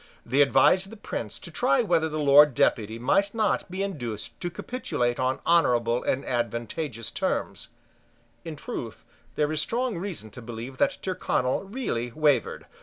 They advised the Prince to try whether the Lord Deputy might not be induced to capitulate on honourable and advantageous terms, In truth there is strong reason to believe that Tyrconnel really wavered.